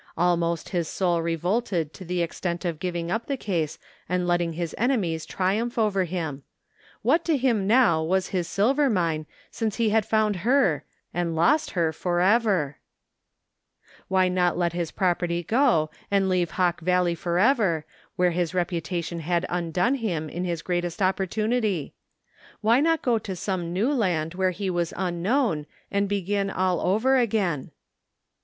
Almost his soul revolted to the extent of giving up the case and letting his enemies triumph over him. What to him now was his silver mine, since he had foimd her — ^and lost her forever? 127 THE FINDING OF JASPER HOLT Why not let his property go and leave Hawk Valley forever, where his reputation had undone him in his greatest opportunity ? Why not go to some new land where he was unknown and begin all over again?